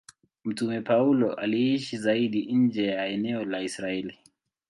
Mtume Paulo aliishi zaidi nje ya eneo la Israeli.